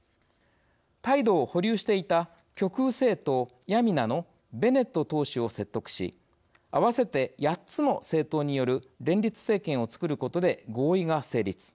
態度を保留していた極右政党、ヤミナのベネット党首を説得し合わせて８つの政党による連立政権をつくることで合意が成立。